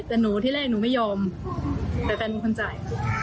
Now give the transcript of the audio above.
แต่หนูที่แรกหนูไม่ยอมแต่แฟนเป็นคนจ่าย